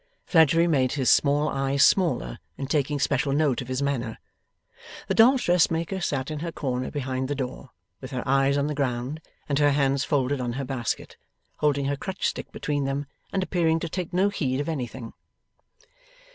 Fledgeby made his small eyes smaller in taking special note of his manner. The dolls' dressmaker sat in her corner behind the door, with her eyes on the ground and her hands folded on her basket, holding her crutch stick between them, and appearing to take no heed of anything.